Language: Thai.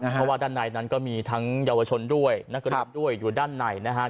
เพราะว่าด้านในนั้นก็มีทั้งเยาวชนด้วยนักเรียนด้วยอยู่ด้านในนะครับ